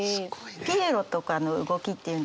ピエロとかの動きっていうんですかね？